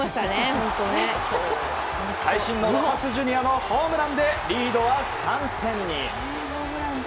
会心のロハス・ジュニアのホームランでリードは３点に。